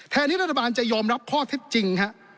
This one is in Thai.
ที่รัฐบาลจะยอมรับข้อเท็จจริง